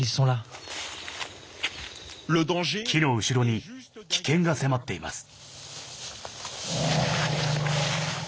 木の後ろに危険が迫っています。